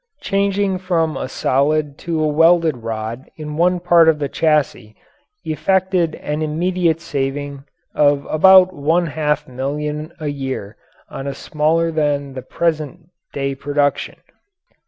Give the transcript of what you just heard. Changing from a solid to a welded rod in one part of the chassis effected an immediate saving of about one half million a year on a smaller than the present day production.